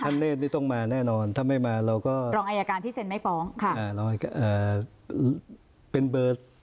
ตัวสิ่งจริงมานะครับ